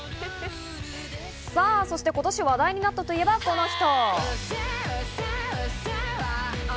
そして今年話題になったといえばこの人。